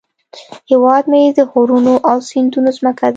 هیواد مې د غرونو او سیندونو زمکه ده